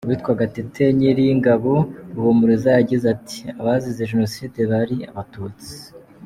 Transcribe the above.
Uwitwa Gatete Nyiringabo Ruhumuliza, yagize ati “Abazize Jenoside bari Abatutsi.